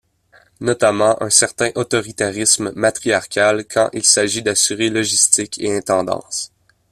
Notamment un certain autoritarisme matriarcal quand il s’agit d’assurer logistique et intendance.